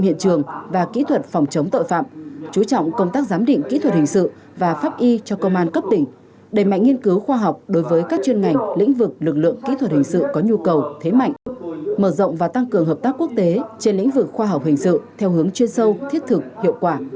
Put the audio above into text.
hấp y cho công an cấp tỉnh đẩy mạnh nghiên cứu khoa học đối với các chuyên ngành lĩnh vực lực lượng kỹ thuật hình sự có nhu cầu thế mạnh mở rộng và tăng cường hợp tác quốc tế trên lĩnh vực khoa học hình sự theo hướng chuyên sâu thiết thực hiệu quả